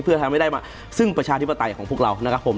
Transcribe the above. เพื่อทำให้ได้มาซึ่งประชาธิปไตยของพวกเรานะครับผม